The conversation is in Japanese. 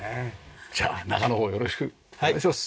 じゃあ中の方よろしくお願いします。